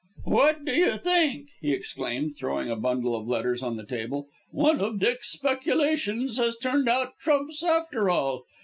"What do you think!" he exclaimed, throwing a bundle of letters on the table, "one of Dick's speculations has turned out trumps, after all.